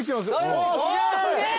すげえ！